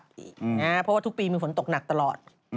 เพราะว่าทุกปีมีฝนตกหนักตลอด